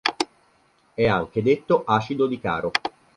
È anche detto acido di Caro.